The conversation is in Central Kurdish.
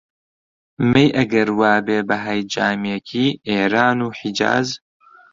مەی ئەگەر وا بێ بەهای جامێکی، ئێران و حیجاز